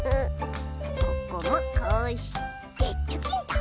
ここもこうしてチョキンと。